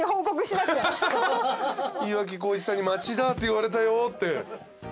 岩城滉一さんに「町田」って言われたよって。